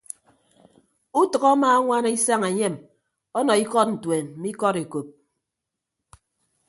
Utʌk amaañwana isañ enyem ọnọ ikọdọntuen mme ikọd ekop.